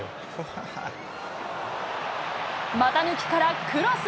股抜きからクロス。